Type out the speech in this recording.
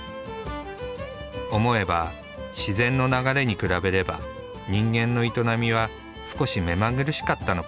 思えば自然の流れに比べれば人間の営みは少し目まぐるしかったのかもしれない。